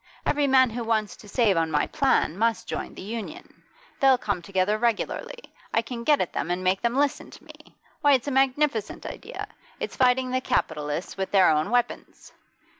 Every man who wants to save on my plan must join the Union. They'll come together regularly; I can get at them and make them listen to me. Why, it's a magnificent idea! It's fighting the capitalists with their own weapons!